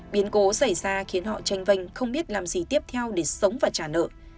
biến cố xảy ra khiến họ tranh vanh không biết làm gì tiếp theo để sống và trả nợ